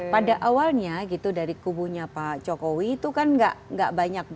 pada awalnya gitu dari kubunya pak jokowi itu kan gak banyak